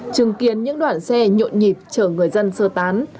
chứng kiến những đoạn xe nhộn nhịp chở người dân sơ tán